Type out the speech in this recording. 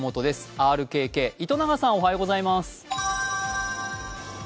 ＲＫＫ、糸永さん、おはようございます。